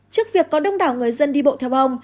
trước việc có đông đảo người dân đi bộ theo bong